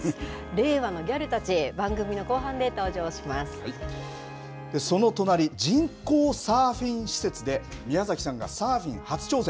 令和のギャルたち、後半で登場しその隣、人工サーフィン施設で、宮崎さんがサーフィン初挑戦。